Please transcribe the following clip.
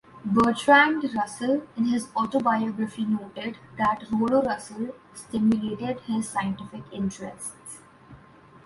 Bertrand Russell in his autobiography noted that Rollo Russell stimulated his scientific interests.